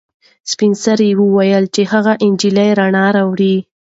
سپین سرې وویل چې هغه نجلۍ رڼا راوړي.